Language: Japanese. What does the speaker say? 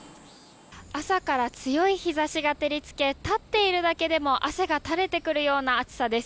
朝から強い日差しが照り付け立っているだけでも汗が垂れてくるような暑さです。